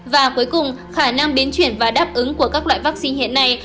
và cuối cùng khả năng biến chuyển và đáp ứng của các loại vaccine hiện nay